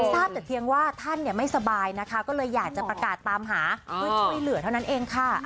ทราบแต่เพียงว่าท่านไม่สบายนะคะก็เลยอยากจะประกาศตามหาเพื่อช่วยเหลือเท่านั้นเองค่ะ